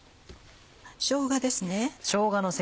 しょうがですね。